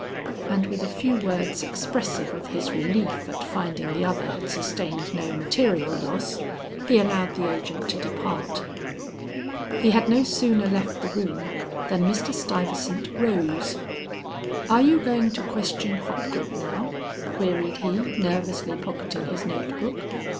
And with a few words expressive of his relief at finding the other had sustained no material loss, he allowed the agent to depart. He had no sooner left the room than Mr. Stuyvesant rose. "Are you going to question Hopgood now?" queried he, nervously pocketing his note book.